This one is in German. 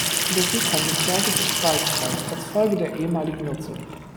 Der Südhang des Berges ist waldfrei, als Folge der ehemaligen Nutzung.